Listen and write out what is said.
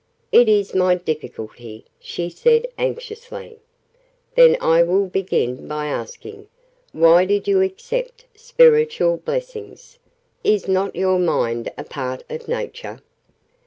"It is my difficulty," she said anxiously. "Then I will begin by asking 'Why did you except spiritual blessings?' Is not your mind a part of Nature?"